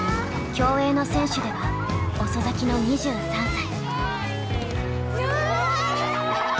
競泳の選手では遅咲きの２３歳。